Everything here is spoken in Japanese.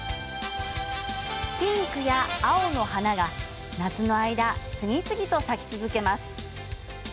ピンクや青の花が夏の間、次々と咲き続けます。